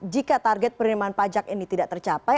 jika target penerimaan pajak ini tidak tercapai